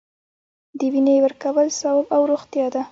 د وینې ورکول ثواب او روغتیا ده